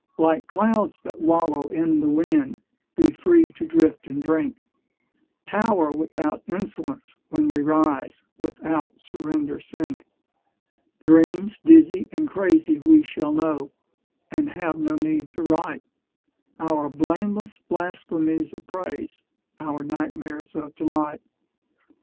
Like clouds that wallow in the wind Be free to drift and drink; Tower without insolence when we rise, Without surrender sink: Dreams dizzy and crazy we shall know And have no need to write Our blameless blasphemies of praise, Our nightmares of delight.